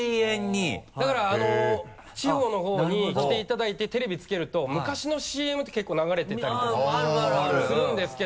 だから地方のほうに来ていただいてテレビつけると昔のＣＭって結構流れてたりとかするんですけど。